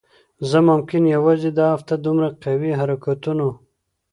زه ممکن یوازی دا هفته دومره قوي حرکتونو